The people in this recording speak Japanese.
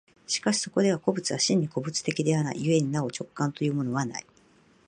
しかしそこでは個物は真に個物的ではない故になお直観というものはない。